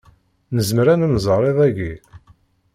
Nezmer ad nemẓeṛ iḍ-aki?